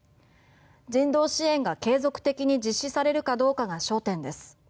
人道支援が継続的に実施されるかどうかが焦点です。